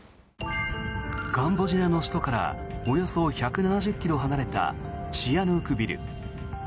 カンボジアの首都からおよそ１７０ｋｍ離れたシアヌークビル。